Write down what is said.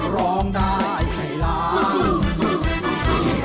ร้องได้ให้ล้าน